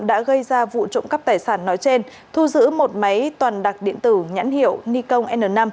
đã gây ra vụ trộm cắp tài sản nói trên thu giữ một máy toàn đặc điện tử nhãn hiệu nikon n năm